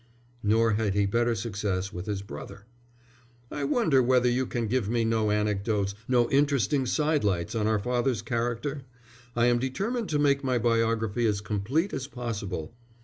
Nor had he better success with his brother. "I wonder whether you can give me no anecdotes, no interesting side lights on our father's character? I am determined to make my biography as complete as possible."